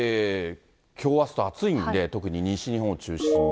きょう、あすと暑いんで、特に西日本を中心に。